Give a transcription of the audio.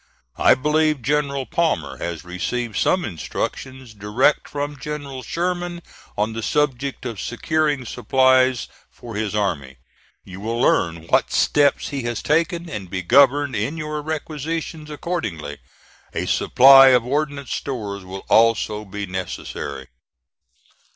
I believe General Palmer has received some instructions direct from General Sherman on the subject of securing supplies for his army. You will learn what steps he has taken, and be governed in your requisitions accordingly. A supply of ordnance stores will also be necessary.